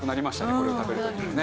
これを食べる時のね。